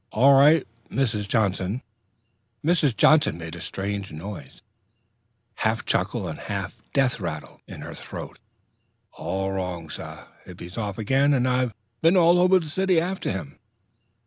"All right, Mrs. Johnson?" Mrs. Johnson made a strange noise, half chuckle and half death rattle, in her throat. "All wrong, sah. Hippy's off again; and I've been all over the city after him."